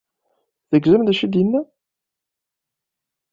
Tegzam d acu ay d-yenna?